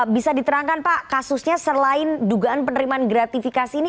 bisa diterangkan pak kasusnya selain dugaan penerimaan gratifikasi ini